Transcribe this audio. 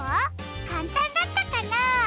かんたんだったかな？